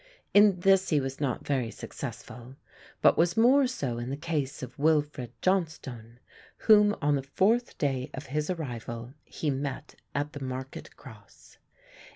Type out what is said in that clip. In this he was not very successful, but was more so in the case of Wilfred Johnstone, whom on the fourth day of his arrival he met at the Market Cross.